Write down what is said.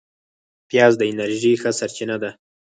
پیاز د انرژۍ ښه سرچینه ده